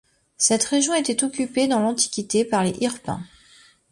Cette région était occupée dans l'Antiquité par les Hirpins.